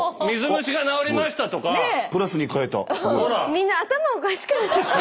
みんな頭おかしくなってきた。